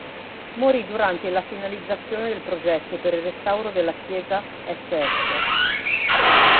Morì durante la finalizzazione del progetto per il restauro della chiesa Sf.